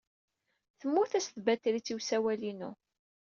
Temmut-as tbatrit i usawal-inu.